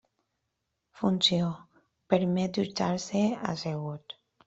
Funció: permet dutxar-se assegut.